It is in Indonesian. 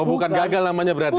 oh bukan gagal namanya berarti